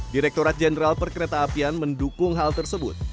direktorat jenderal perkeretaapian mendukung hal tersebut